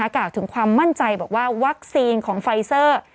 กล่าวถึงความมั่นใจบอกว่าวัคซีนของไฟเซอร์